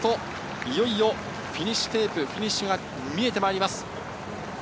いよいよフィニッシュテープが見えてまいります。